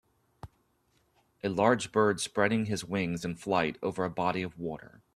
A large bird spreading his wings in flight over a body of water.